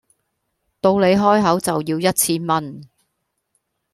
到你開口就要一千蚊